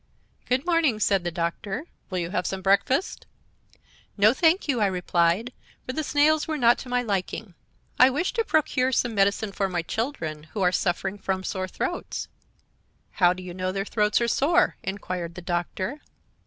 "'Good morning,' said the Doctor; 'will you have some breakfast?' "'No, thank you,' I replied, for the snails were not to my liking; 'I wish to procure some medicine for my children, who are suffering from sore throats.' "' How do you know their throats are sore?' inquired the Doctor.